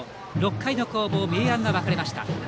６回の攻防、明暗が分かれました。